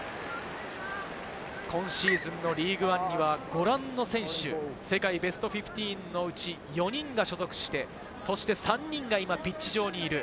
今シーズンのリーグワンには、ご覧の選手、世界ベスト１５のうち４人が所属して、そして３人が今ピッチ上にいます。